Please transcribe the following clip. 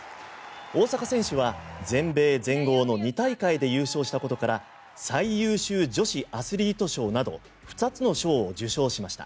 大坂選手は全米、全豪の２大会で優勝したことから最優秀女子アスリート賞など２つの賞を受賞しました。